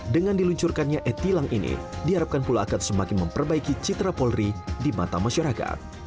dengan diluncurkannya e tilang ini diharapkan pula akan semakin memperbaiki citra polri di mata masyarakat